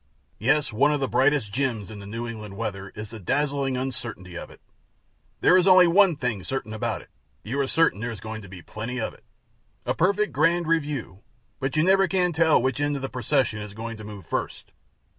� Yes, one of the brightest gems in the New England weather is the dazzling uncertainty of it. There is only one thing certain about it: you are certain there is going to be plenty of it a perfect grand review; but you never can tell which end of the procession is going to move first.